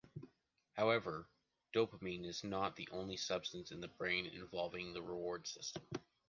However, dopamine is not the only substance in the brain involving the reward system.